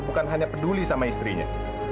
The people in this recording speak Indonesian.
bukan hanya peduli sama istrinya